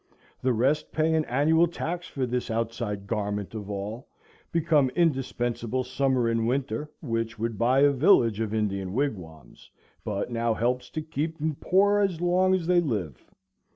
The rest pay an annual tax for this outside garment of all, become indispensable summer and winter, which would buy a village of Indian wigwams, but now helps to keep them poor as long as they live.